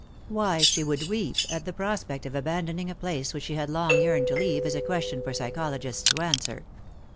Why she should weep at the prospect of aban doning a place which she had long yearned to leave is a question for psychologists to answer.